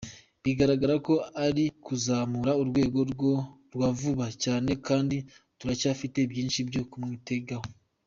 Bigaragara ko ari kuzamura urwego rwe vuba cyane kandi turacyafite byinshi byo kumwitegaho.